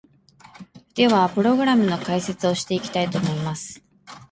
では、プログラムの解説をしていきたいと思います！